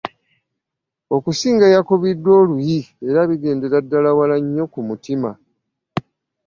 Okusinga eyakubiddwa oluyi era bigendera ddala wala nnyo ku mutima.